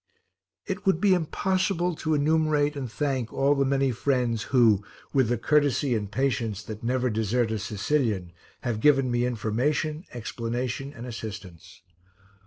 It would be impossible to enumerate and thank all the many friends who, with the courtesy and patience that never desert a Sicilian, have given me information, explanation and assistance.